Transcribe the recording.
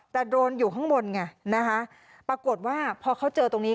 แต่โดรนอยู่ข้างบนไงนะคะปรากฏว่าพอเขาเจอตรงนี้